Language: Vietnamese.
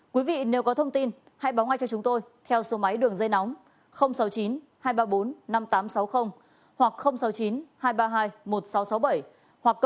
quý vị nếu có thông tin hãy báo ngay cho chúng tôi theo số máy đường dây nóng sáu mươi chín hai trăm ba mươi bốn năm nghìn tám trăm sáu mươi hoặc sáu mươi chín hai trăm ba mươi hai một nghìn sáu trăm sáu mươi bảy